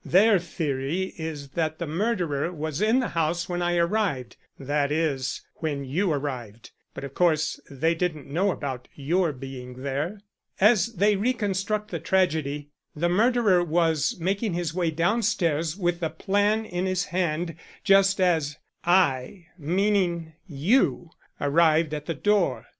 Their theory is that the murderer was in the house when I arrived that is, when you arrived but of course they didn't know about your being there. As they reconstruct the tragedy, the murderer was making his way downstairs with the plan in his hand just as I meaning you arrived at the door.